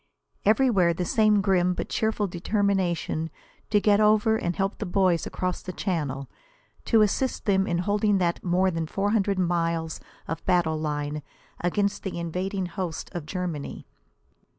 Everywhere the same grim but cheerful determination to get over and help the boys across the Channel to assist in holding that more than four hundred miles of battle line against the invading hosts of Germany.